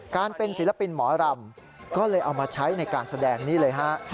การเป็นศิลปินหมอรำก็เลยเอามาใช้ในการแสดงนี่เลยฮะ